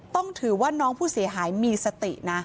ต้องถือว่าน้องผู้เสียหายมีสตินะ